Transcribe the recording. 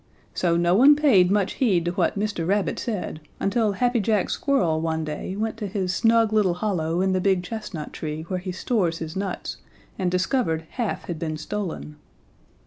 "So no one paid much heed to what Mr. Rabbit said until Happy Jack Squirrel one day went to his snug little hollow in the big chestnut tree where he stores his nuts and discovered half had been stolen.